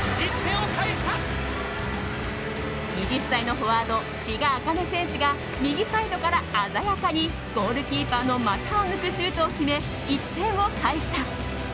２０歳のフォワード志賀紅音選手が右サイドから鮮やかにゴールキーパーの股を抜くシュートを決め、１点を返した。